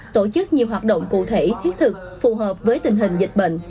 tổ chức nhiều hoạt động cụ thể thiết thực phù hợp với tình hình dịch bệnh